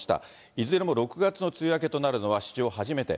いずれも６月の梅雨明けとなるのは、史上初めて。